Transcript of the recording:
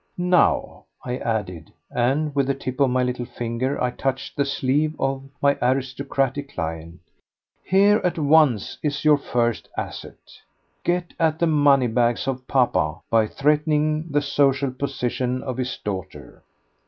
Now," I added, and with the tip of my little finger I touched the sleeve of my aristocratic client, "here at once is your first asset. Get at the money bags of papa by threatening the social position of his daughter."